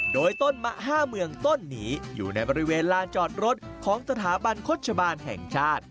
โดยต้นมะห้าเมืองต้นนี้อยู่ในบริเวณลานจอดรถของสถาบันโฆษบาลแห่งชาติ